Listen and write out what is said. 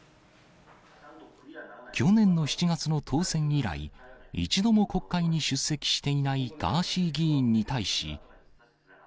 去年の７月の当選以来、一度も国会に出席していないガーシー議員に対し。